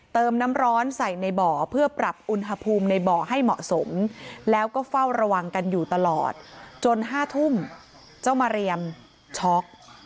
เติมน้ำร้อนใส่ในบ่อเพื่อปรับอุณหภูมิในบ่อให้เหมาะสมแล้วก็เฝ้าระวังกันอยู่ตลอดจน๕ทุ่มเจ้ามาเรียมช็อก